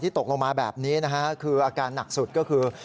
ตกลงมาแบบนี้นะฮะคืออาการหนักสุดก็คือ